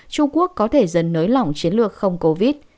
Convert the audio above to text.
trung quốc có thể dần nới lỏng chiến lược không covid